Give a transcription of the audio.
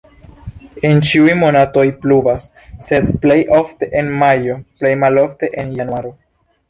En ĉiuj monatoj pluvas, sed plej ofte en majo, plej malofte en januaro.